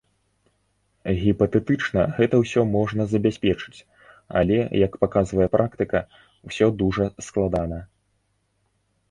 Гіпатэтычна гэта ўсё можна забяспечыць, але, як паказвае практыка, усё дужа складана.